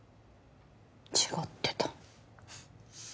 違ってた。